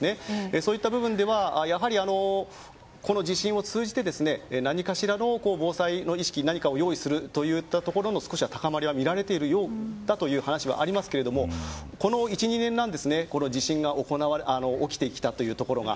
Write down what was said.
そういった部分ではこの地震を通じて何かしらの防災の意識何かを用意するといったところの高まりがみられているようだという話はありますがこの１２年ですね地震が起きてきたというところが。